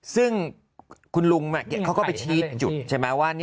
ซึ่งคุณลุงเขาก็ไปชี้จุดใช่ไหมว่า